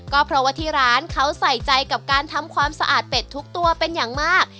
ก็เพราะว่าที่ร้านเขาใส่ใจกับการทำความสะอาดเป็ดทุกตัวเป็นอย่างมาก